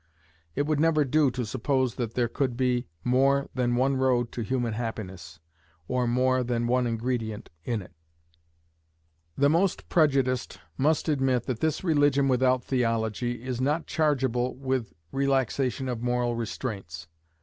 It would never do to suppose that there could be more than one road to human happiness, or more than one ingredient in it. The most prejudiced must admit that this religion without theology is not chargeable with relaxation of moral restraints.